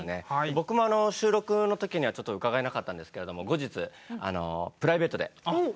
僕もあの収録の時にはちょっと伺えなかったんですけれども後日ああ。